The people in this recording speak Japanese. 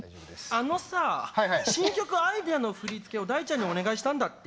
あのさぁ新曲「アイデア」の振り付けを大ちゃんにお願いしたんだって？